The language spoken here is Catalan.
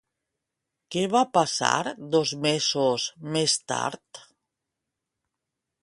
Què va passar dos mesos més tard?